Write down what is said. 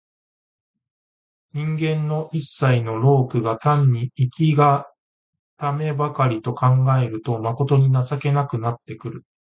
人間の一切の労苦が単に生きんがためばかりと考えると、まことに情けなくなってくる。